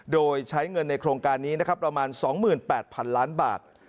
โดยใช้เงินในโครงการนี้นะครับประมาณ๒๘๐๐๐ล้านบาท